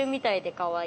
かわいい。